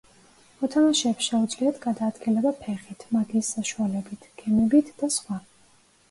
მოთამაშეებს შეუძლიათ გადაადგილება ფეხით, მაგიის საშუალებით, გემებით და სხვა.